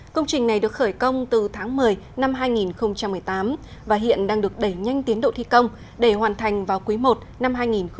công trình này được khởi công từ tháng một mươi năm hai nghìn một mươi tám và hiện đang được đẩy nhanh tiến độ thi công để hoàn thành vào quý i năm hai nghìn một mươi chín